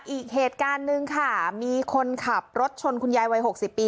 อีกเหตุการณ์หนึ่งค่ะมีคนขับรถชนคุณยายวัย๖๐ปี